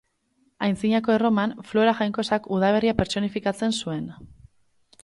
Antzinako Erroman, Flora jainkosak udaberria pertsonifikatzen zuen.